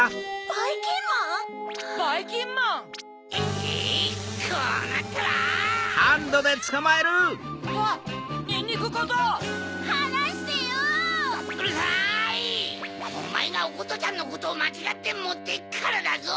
おまえがおことちゃんのことをまちがってもっていくからだぞ！